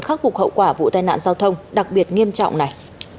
khắc phục hậu quả vụ tai nạn giao thông đặc biệt nghiêm trọng này